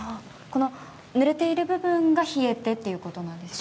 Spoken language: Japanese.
ぬれている部分が冷えてということなんですね。